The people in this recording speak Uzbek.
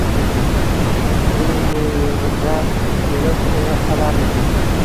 u miyigʼida kulib qoʼya qolardi.